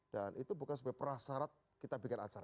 dan itu bukan sebagai perasarat kita bikin acara